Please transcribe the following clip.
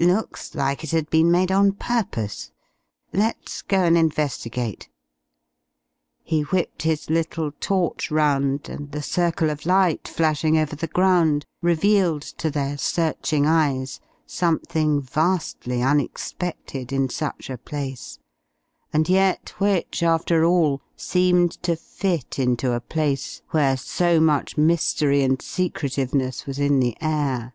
Looks like it had been made on purpose. Let's go and investigate." He whipped his little torch round and the circle of light flashing over the ground revealed to their searching eyes something vastly unexpected in such a place and yet which, after all, seemed to fit into a place where so much mystery and secretiveness was in the air.